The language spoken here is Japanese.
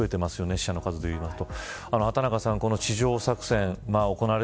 死者の数で言うと。